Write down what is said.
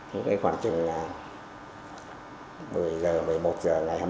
lúc ấy khoảng chừng một mươi giờ một mươi một giờ ngày hai mươi chín tháng bốn năm bảy mươi năm